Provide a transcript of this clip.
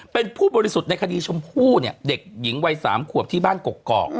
เป็นผู้บริสุทธิ์ในคดีชมพู่เนี่ยเด็กหญิงวัย๓ขวบที่บ้านกกอก